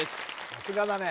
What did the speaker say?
さすがだね